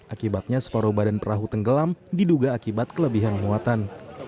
akibatnya separuh badan perahu tenggelam diduga akibat kelebihan muatan